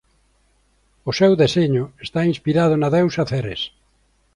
O seu deseño está inspirado na deusa Ceres.